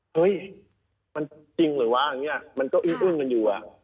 เฮ้ยมันจริงหรือว่ามันก็อึ้งกันอยู่